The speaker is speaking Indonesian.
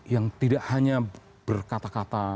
yang tidak hanya berkata kata